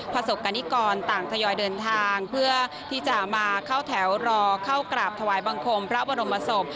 ประสบกรณิกรต่างทยอยเดินทางเพื่อที่จะมาเข้าแถวรอเข้ากราบถวายบังคมพระบรมศพ